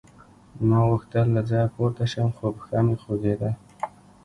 ما غوښتل له ځایه پورته شم خو پښه مې خوږېده